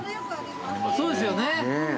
そうですよね。